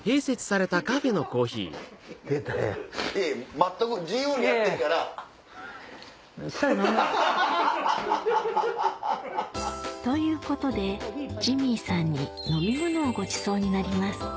全く自由にやってんから。ということでジミーさんに飲み物をごちそうになります